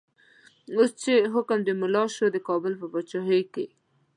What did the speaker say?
اوس چه حکم د ملا شو، دکابل په پاچایی کی